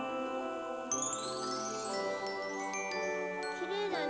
きれいだね。